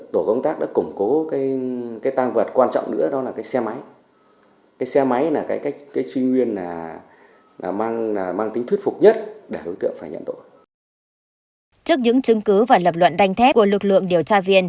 trước những chứng cứ và lập luận đánh thép của lực lượng điều tra viên